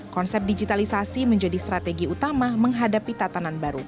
konsep digitalisasi menjadi strategi utama menghadapi tatanan baru